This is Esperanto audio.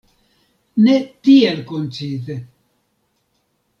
Ne tiel koncize.